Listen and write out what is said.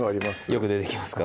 よく出てきますか？